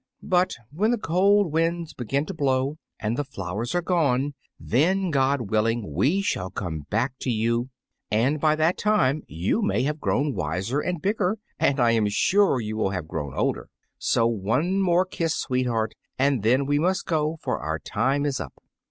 But when the cold winds begin to blow, and the flowers are gone, then, God willing, we shall come back to you; and by that time you may have grown wiser and bigger, and I am sure you will have grown older. So one more kiss, sweetheart, and then we must go, for our time is up."